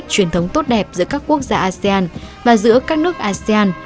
truyền thống tốt đẹp giữa các quốc gia asean và giữa các nước asean